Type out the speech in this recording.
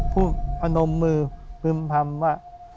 ผู้พนมมือภึมภรรมว่า